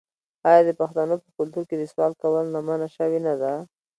آیا د پښتنو په کلتور کې د سوال کولو نه منع شوې نه ده؟